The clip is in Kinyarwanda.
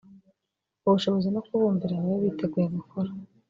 ubushobozi no kubumvira babe biteguye gukora